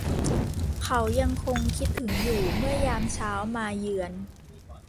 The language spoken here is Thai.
เขายังคงคิดถึงอยู่เมื่อยามเช้ามาเยือน